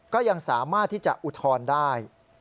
ก็ยังสามารถที่จะอุทธรณ์ได้